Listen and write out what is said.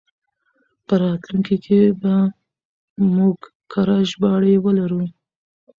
په راتلونکي کې به موږ کره ژباړې ولرو.